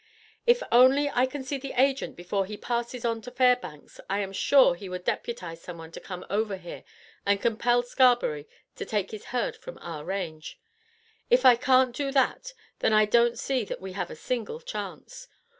"If only I can see the Agent before he passes on to Fairbanks I am sure he would deputize someone to come over here and compel Scarberry to take his herd from our range. If I can't do that, then I don't see that we have a single chance.